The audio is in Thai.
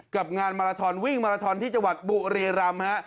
กับงานมาลาทอนวิ่งมาราทอนที่จังหวัดบุรีรำฮะ